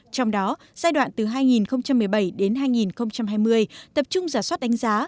trong đó giai đoạn từ hai nghìn một mươi bảy đến hai nghìn hai mươi tập trung giả soát đánh giá